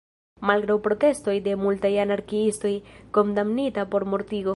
Malgraŭ protestoj de multaj anarkiistoj, kondamnita por mortigo.